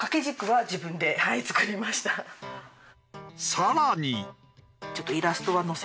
さらに。